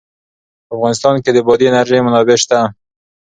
په افغانستان کې د بادي انرژي منابع شته.